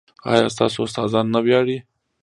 ایا ستاسو استادان نه ویاړي؟